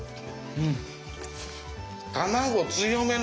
うん！